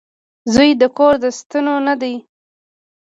• زوی د کور د ستنو نه دی.